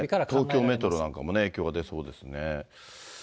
東京メトロなんかも影響が出そうですね。